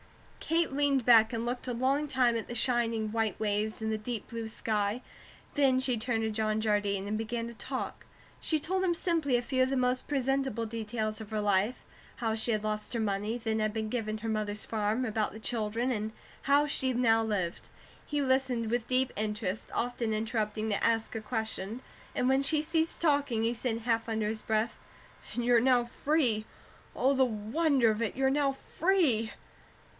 Kate leaned back and looked a long time at the shining white waves and the deep blue sky, then she turned to John Jardine, and began to talk. She told him simply a few of the most presentable details of her life: how she had lost her money, then had been given her mother's farm, about the children, and how she now lived. He listened with deep interest, often interrupting to ask a question, and when she ceased talking he said half under his breath: "And you're now free! Oh, the wonder of it! You're now, free!"